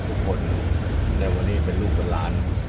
ด้วยสถาบันภาวะศักดิ์นะครับ